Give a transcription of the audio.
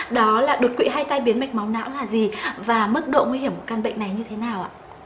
đó là đột quỵ hay tai biến mạch máu não là gì và mức độ nguy hiểm của căn bệnh này như thế nào ạ